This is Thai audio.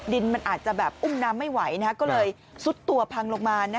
ดินมันอาจจะแบบอุ้มน้ำไม่ไหวก็เลยซุดตัวพังลงมา